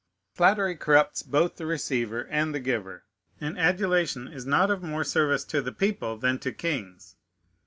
Flattery corrupts both the receiver and the giver; and adulation is not of more service to the people than to kings.